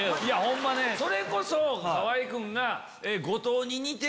それこそ河合君が。